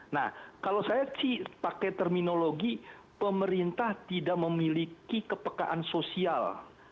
nah kalau saya sih pakai terminologi pemerintah tidak memiliki kepekaan sosial